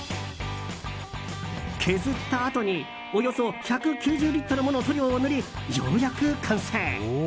削ったあとにおよそ１９０リットルもの塗料を塗り、ようやく完成。